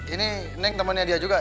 ini neng temennya dia juga ya